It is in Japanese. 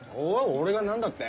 俺が何だって？